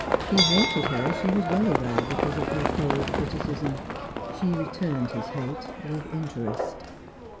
He hated her, she was well aware, because of her cold criticism; she returned his hate with interest.